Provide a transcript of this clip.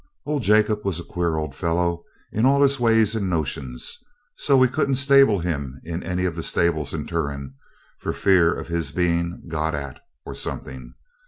Old Jacob was a queer old fellow in all his ways and notions, so we couldn't stable him in any of the stables in Turon, for fear of his being 'got at', or something.